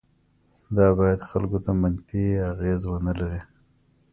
دا باید خلکو ته منفي اغیز ونه لري.